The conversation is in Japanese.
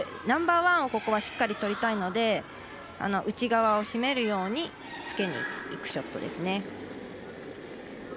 ナンバーワンをここはしっかりとりたいので内側を閉めるようにつけにいくショットですね。